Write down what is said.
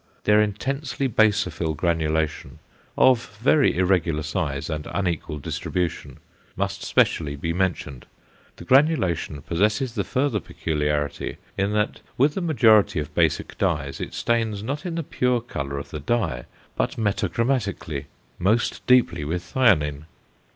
Their intensely basophil granulation, of very irregular size and unequal distribution, must specially be mentioned. The granulation possesses the further peculiarity, in that with the majority of basic dyes it stains, not in the pure colour of the dye, but metachromatically most deeply with thionin.